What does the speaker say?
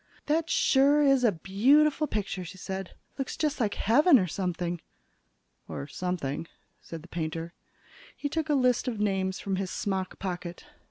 "That sure is a beautiful picture," she said. "Looks just like heaven or something." "Or something," said the painter. He took a list of names from his smock pocket.